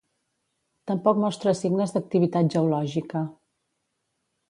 Tampoc mostra signes d'activitat geològica.